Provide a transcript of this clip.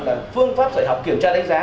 là phương pháp giải học kiểm tra đánh giá